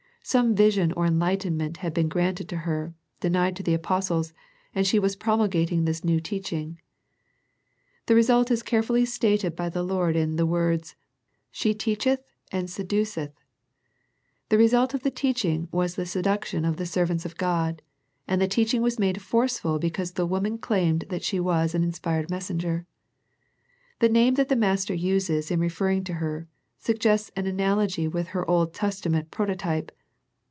Some vision or enlightenment had been granted to her, denied to the apostles, and she was promulgating this new teaching. The result is carefully stated by the Lord in the words " she teacheth and seduceth." The result of the teaching was the seduction of the servants of God, and the teaching was made forceful because the woman claimed that she was an inspired messenger. The name that the Master uses in referring to her, suggests an analogy with her Old Testament prototype.